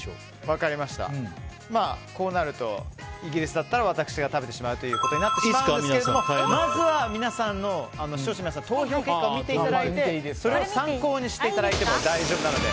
こうなると、イギリスだったら私が食べてしまうことになってしまうんですがまずは視聴者の皆さんの投票結果を見ていただいてそれを参考にしていただいても大丈夫なので。